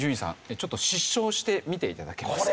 ちょっと失笑してみて頂けますか？